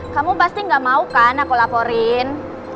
kamu pasti gak mau kan aku laporin